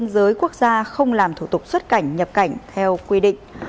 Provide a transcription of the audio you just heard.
giới quốc gia không làm thủ tục xuất cảnh nhập cảnh theo quy định